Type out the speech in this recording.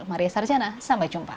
maria sarjana sampai jumpa